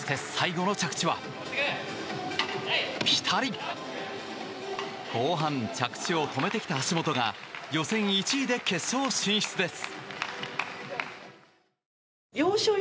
後半着地を止めてきた橋本が予選１位で決勝進出です。